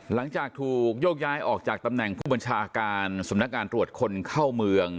หลังจากถูกโยกย้ายออกจากตำแหน่งผู้บัญชาการสำนักงานตรวจคนเข้าเมือง